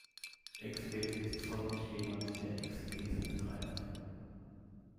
Exeget ist folglich jemand, der Exegese betreibt.